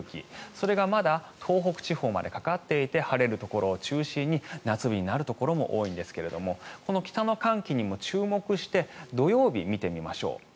それがまだ東北地方までかかっていて晴れるところを中心に夏日になるところも多いんですがこの北の寒気にも注目して土曜日、見てみましょう。